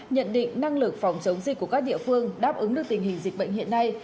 nhận định năng lực phòng chống dịch của các địa phương đáp ứng được tình hình dịch bệnh hiện nay